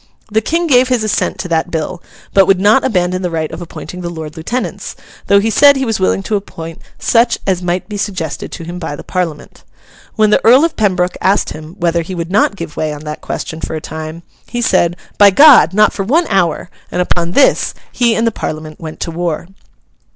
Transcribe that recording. The King gave his assent to that bill, but would not abandon the right of appointing the Lord Lieutenants, though he said he was willing to appoint such as might be suggested to him by the Parliament. When the Earl of Pembroke asked him whether he would not give way on that question for a time, he said, 'By God! not for one hour!' and upon this he and the Parliament went to war.